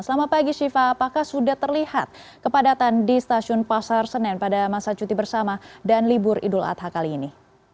selamat pagi syifa apakah sudah terlihat kepadatan di stasiun pasar senen pada masa cuti bersama dan libur idul adha kali ini